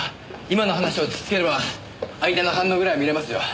今の話を突きつければ相手の反応ぐらいは見れますよ。